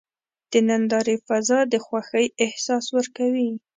د نندارې فضا د خوښۍ احساس ورکوي.